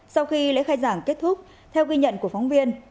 sau khi lễ khai giảng kết thúc theo ghi nhận của phóng viên